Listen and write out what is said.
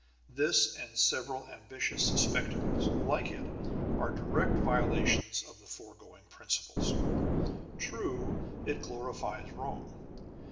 This and several ambitious spectacles like it are direct violations of the foregoing principles. True, it glorifies Rome.